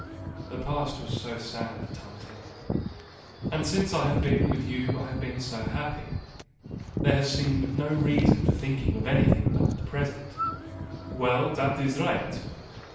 "The past was so sad, Tante, and since I have been with you I have been so happy. There has seemed no reason for thinking of anything but the present." "Well, that is right.